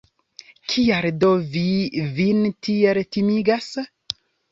Kial do vi vin tiel timigas?